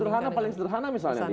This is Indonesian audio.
sederhana paling sederhana misalnya